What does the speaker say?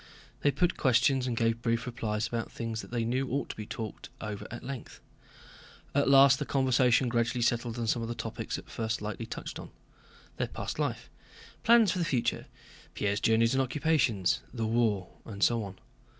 They put questions and gave brief replies about things they knew ought to be talked over at length. At last the conversation gradually settled on some of the topics at first lightly touched on: their past life, plans for the future, Pierre's journeys and occupations, the war, and so on.